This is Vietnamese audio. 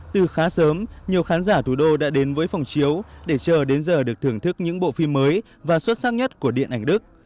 từ khá sớm nhiều khán giả thủ đô đã đến với phòng chiếu để chờ đến giờ được thưởng thức những bộ phim mới và xuất sắc nhất của điện ảnh đức